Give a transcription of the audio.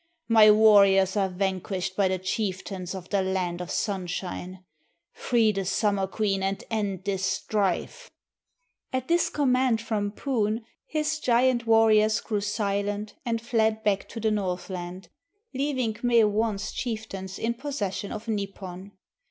My warriors are vanquished by the chieftains of the land of Sunshine! Free the Summer Queen and end this strife!" At this command from Poon, his giant warriors grew silent and fled back to the Northland, leaving K'me wan's chieftains in possession of Nipon.